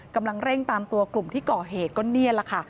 กำลังเร่งตามตัวกลุ่มที่ก่อเหตุก็นี่แหละค่ะ